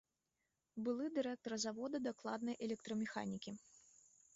Былы дырэктар завода дакладнай электрамеханікі.